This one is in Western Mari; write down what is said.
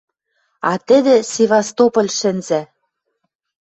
— А тӹдӹ — Севастополь шӹнзӓ...